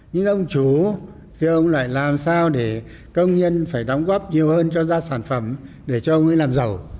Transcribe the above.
nhưng ông chủ thì ông lại làm sao để công nhân phải đóng góp nhiều hơn cho ra sản phẩm để cho ông ấy làm giàu